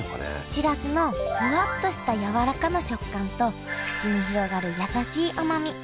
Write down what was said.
しらすのふわっとした柔らかな食感と口に広がる優しい甘み。